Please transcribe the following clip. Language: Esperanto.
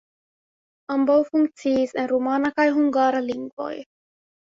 Ambaŭ funkciis en rumana kaj hungara lingvoj.